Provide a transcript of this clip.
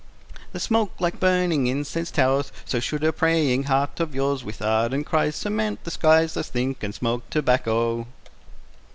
The smoke, like burning incense, towers, So should a praying heart of yours, With ardent cries, Surmount the skies. Thus think, and smoke tobacco.